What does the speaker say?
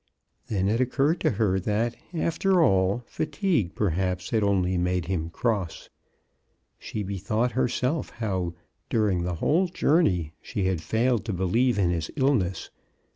Then it occurred to her that, after all, fatigue perhaps had only made him cross. She bethought herself how, during the whole jour ney, she had failed to believe in his illness.